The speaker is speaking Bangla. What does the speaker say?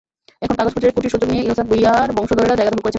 এখন কাগজপত্রের ত্রুটির সুযোগ নিয়ে ইসহাক ভূঁইয়ার বংশধরেরা জায়গা দখল করছেন।